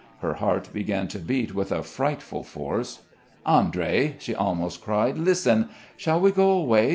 Her heart began to beat with a frightful force. "Andrey," she almost cried. "Listen. Shall we go away?